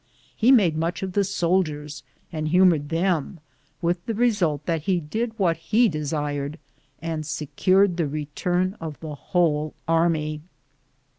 He made much of the soldiers and humored them, with the result that he did what he desired and se cured the return of the whole army.